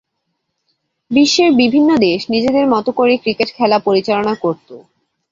বিশ্বের বিভিন্ন দেশ নিজেদের মতো করে ক্রিকেট খেলা পরিচালনা করতো।